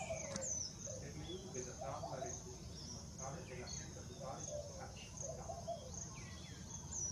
Per le uve da tavola il requisito fondamentale è l'assenza totale di acidità.